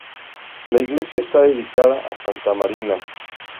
La iglesia está dedicada a santa Marina.